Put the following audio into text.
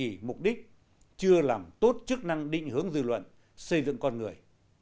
xa rời tôn trì mục đích chưa làm tốt chức năng định hướng dư luận xây dựng con người